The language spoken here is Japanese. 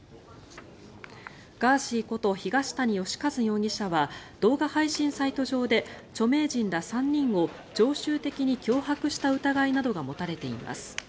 ガーシーこと東谷義和容疑者は動画配信サイト上で著名人ら３人を常習的に脅迫した疑いなどが持たれています。